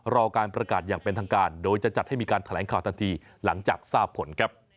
รอการประกาศอย่างเป็นทางการโดยจะจัดให้มีการแถลงข่าวทันทีหลังจากทราบผลครับ